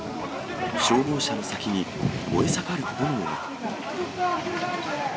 消防車の先に燃え盛る炎が。